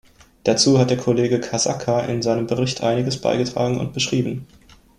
Dazu hat der Kollege Casaca in seinem Bericht einiges beigetragen und beschrieben.